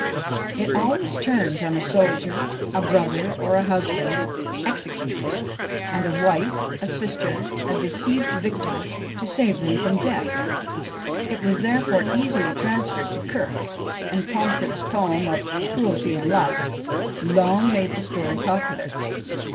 It always turns on a soldier, a brother or a husband, executed; and a wife, a sister, a deceived victim, to save them from death. It was, therefore, easily transferred to Kirk, and Pomfret's poem of "Cruelty and Lust" long made the story popular.